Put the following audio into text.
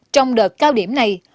trong đợt cao điểm này